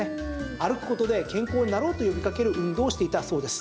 歩くことで健康になろうと呼びかける運動をしていたそうです。